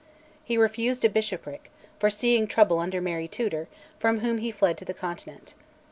He refused a bishopric, foreseeing trouble under Mary Tudor, from whom he fled to the Continent.